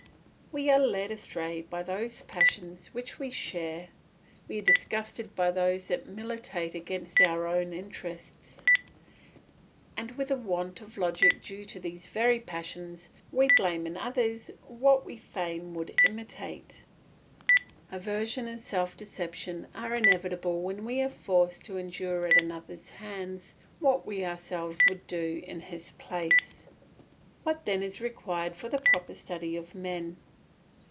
We are led astray by those passions which we share; we are disgusted by those that militate against our own interests; and with a want of logic due to these very passions, we blame in others what we fain would imitate. Aversion and self deception are inevitable when we are forced to endure at another's hands what we ourselves would do in his place. What then is required for the proper study of men?